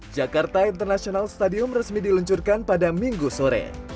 jakarta international stadium resmi diluncurkan pada minggu sore